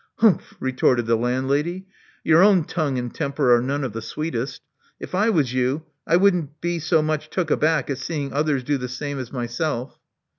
"Humph!*' retorted the landlady. Your own tongue and temper are none of the sweetest. If I was you, I wouldn't be so much took aback at seeing others do the same as myself."